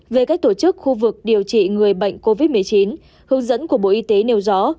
về cách tổ chức khu vực điều trị người bệnh covid một mươi chín hướng dẫn của bộ y tế nêu rõ